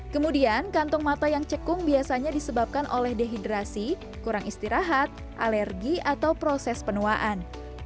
kemudian kantung mata yang cekung biasanya disebabkan oleh dehidrasi kurang istirahat alergi atau proses penuaan